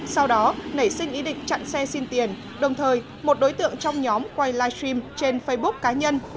sau đó nảy sinh ý định chặn xe xin tiền đồng thời một đối tượng trong nhóm quay livestream trên facebook cá nhân